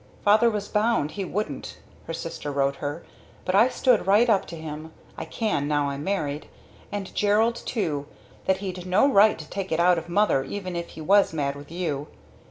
"Father was bound he wouldn't," her sister wrote her; "but I stood right up to him, I can now I'm married! and Gerald too that he'd no right to take it out of mother even if he was mad with you.